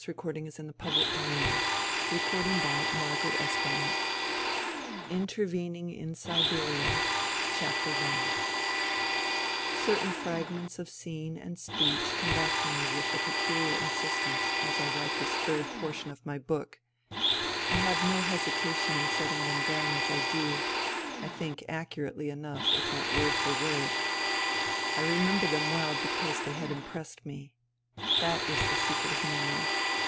. my house ... the mines ..." PART III INTERVENING IN SIBERIA INTERVENING IN SIBERIA CERTAIN fragments of scene and speech come back to me with a pecuHar insistence, as I write this third portion of my book. I have no hesitation in setting them down as I do, I think accurately enough, if not word for word. I remember them well because they had impressed me. That is the secret of memory.